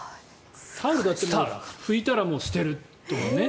タオルだって拭いたら捨てるとかね。